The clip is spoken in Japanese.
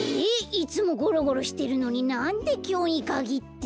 いつもゴロゴロしてるのになんできょうにかぎって。